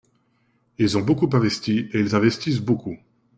Ils ont beaucoup investi et ils investissent beaucoup.